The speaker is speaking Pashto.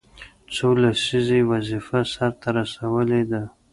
څو لسیزې یې وظیفه سرته رسولې ده.